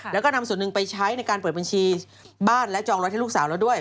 แล้วก็นำส่วนหนึ่งไปใช้ในการเปิดบัญชีบ้านและจองรถให้ลูกสาวแล้วด้วย